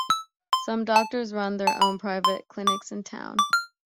Some doctors run their own private clinics in the town.